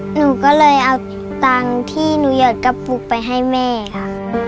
หนูก็เลยเอาตังค์ที่หนูหยอดกระปุกไปให้แม่ค่ะ